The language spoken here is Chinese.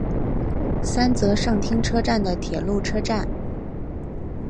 三泽上町车站的铁路车站。